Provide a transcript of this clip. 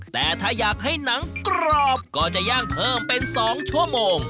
แต่ถ้าอยากให้หนังกรอบก็จะย่างเพิ่มเป็น๒ชั่วโมง